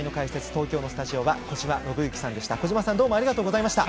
東京のスタジオは小島伸幸さんでした。